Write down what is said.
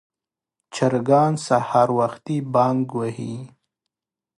چرګان سهار وختي بانګ وهي.